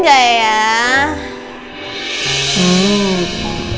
nambah lagi deh pak